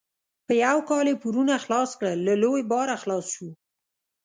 په یو کال یې پورونه خلاص کړل؛ له لوی باره خلاص شو.